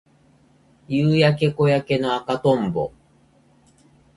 夕焼け小焼けの赤とんぼ